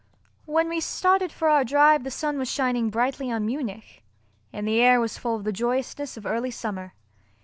When we started for our drive the sun was shining brightly on Munich, and the air was full of the joyousness of early summer.